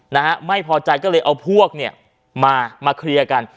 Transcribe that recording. นะฮะไม่พอใจก็เลยเอาพวกเนี่ยมามาเคลียร์กัน